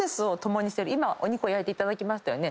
今お肉を焼いて食べましたよね。